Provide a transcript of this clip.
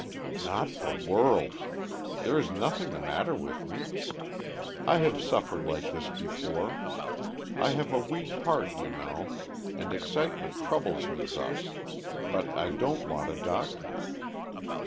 "Not for worlds. There is nothing the matter with me. I have suffered like this before. I have a weak heart, you know, and excitement troubles me thus. But I don't want a doctor."